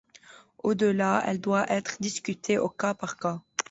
Au-delà, elle doit être discutée au cas par cas.